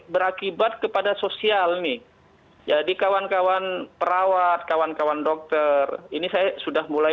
berakibat kepada sosial nih jadi kawan kawan perawat kawan kawan dokter ini saya sudah mulai